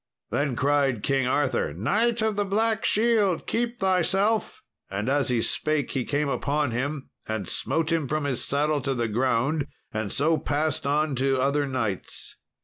Then cried King Arthur, "Knight of the Black Shield, keep thyself." And as he spake he came upon him, and smote him from his saddle to the ground, and so passed on to other knights.